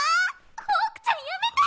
ホークちゃんやめて！